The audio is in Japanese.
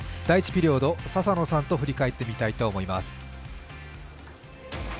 第１ピリオド、笹野さんと振り返ってみたいと思います。